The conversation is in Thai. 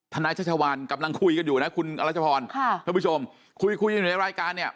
ธนาชาชาวานกำลังคุยกันอยู่นะคุณรัชพรคุณผู้ชมคุยในรายการเนี่ย